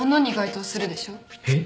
えっ？